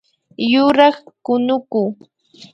Yurak kunuku